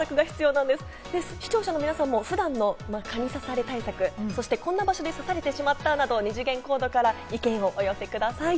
視聴者の皆さんも普段の蚊に刺され対策、こんな場所で刺されてしまったなど、二次元コードから意見をお寄せください。